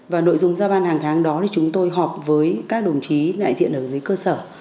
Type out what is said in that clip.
và nội dung giao ban hàng tháng đó thì chúng tôi họp với các đồng chí đại diện ở dưới cơ sở